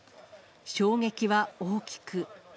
衝撃は大きく。